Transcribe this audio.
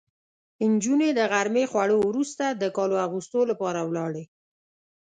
نجونې د غرمې خوړو وروسته د کالو اغوستو لپاره ولاړې.